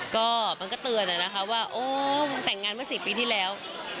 ก็มันก็เตือนนะคะว่าโอ้แต่งงานเมื่อ๔ปีที่แล้ว